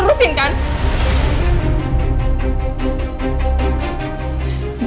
dewa percayakan sama gue